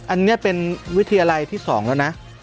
อันนี้เป็นวิธีอะไรที่สองแล้วนะ